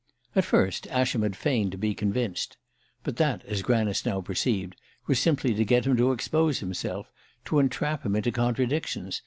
At first Ascham had feigned to be convinced but that, as Granice now perceived, was simply to get him to expose himself, to entrap him into contradictions.